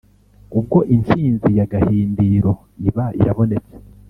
Ubwo intsinzi ya Gahindiro iba irabonetse